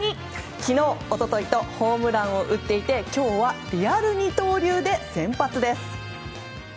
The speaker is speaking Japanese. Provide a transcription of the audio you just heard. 昨日、一昨日とホームランを打っていて今日はリアル二刀流で先発です。